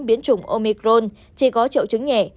biến chủng omicron chỉ có triệu chứng nhẹ